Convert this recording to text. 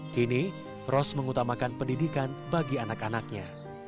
kini ros mengutamakan pendidikan bagi anak anaknya